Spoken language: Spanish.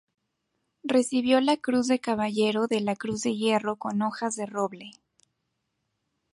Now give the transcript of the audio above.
Recibió la Cruz de Caballero de la Cruz de Hierro con hojas de roble.